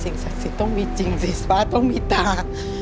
สิ่งศักดิ์สิทธิ์ต้องมีจริงสิทธิ์บ้านต้องมีตา